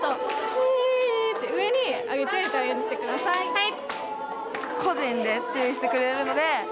はい！